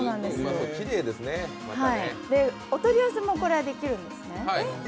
お取り寄せもできるんですね。